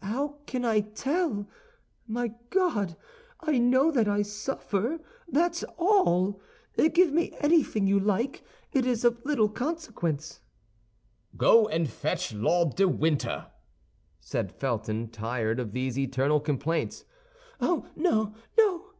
"Eh, how can I tell? My God! I know that I suffer, that's all. Give me anything you like, it is of little consequence." "Go and fetch Lord de Winter," said Felton, tired of these eternal complaints. "Oh, no, no!"